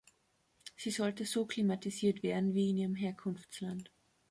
Sie sollte so klimatisiert werden wie in ihrem Herkunftsland.